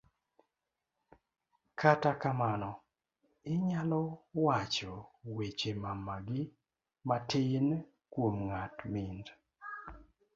kata kamano, inyalo wacho weche mamagi matin kuom ng'at mind